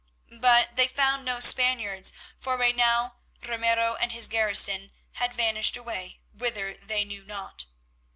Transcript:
But they found no Spaniards, for by now Ramiro and his garrison had vanished away, whither they knew not.